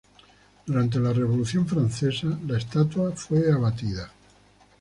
Durante la Revolución francesa la estatua fue abatida.